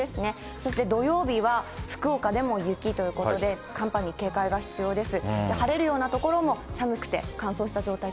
そして土曜日は福岡でも雪ということで、寒波に警戒が必要です。